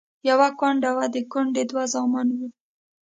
يوه کونډه وه، د کونډې دوه زامن وو.